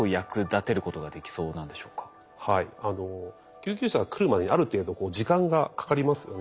救急車が来るまでにある程度時間がかかりますよね。